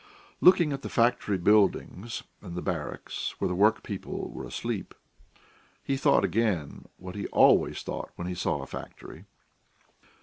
Looking at the factory buildings and the barracks, where the workpeople were asleep, he thought again what he always thought when he saw a factory.